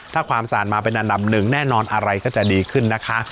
ถ้าความสะอาดมาเป็นอันดับหนึ่งแน่นอนอะไรก็จะดีขึ้นนะคะ